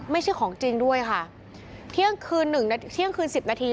ไม่ใช่ของจริงด้วยค่ะเที่ยงคืนหนึ่งนาทีเที่ยงคืนสิบนาที